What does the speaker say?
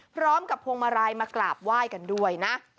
พร้อมกับพวงมาลัยมากราบไหว้กันด้วยนะ